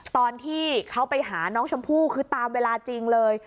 ตอนที่เขาไปหาน้องชมพู่คือตามเวลาจริงเลย